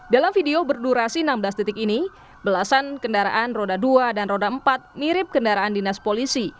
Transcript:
dalam video berdurasi enam belas detik ini belasan kendaraan roda dua dan roda empat mirip kendaraan dinas polisi